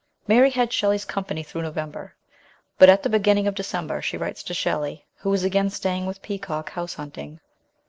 Mary had Shelley's company through November, but at the beginning of December she writes to Shelley, who is again staying with Peacock house hunting.